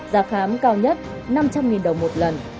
giá khám cao nhất năm trăm linh đồng một lần